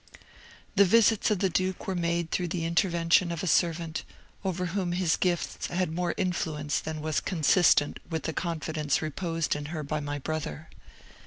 "The visits of the duke were made through the intervention of a servant, over whom his gifts had more influence than was consistent with the confidence reposed in her by my brother.